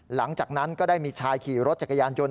หลังจากนั้นก็ได้มีชายขี่รถจักรยานยนต